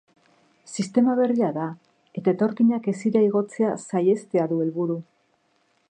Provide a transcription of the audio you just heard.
Sistema berria da, eta etorkinak hesira igotzea saihestea du helburu.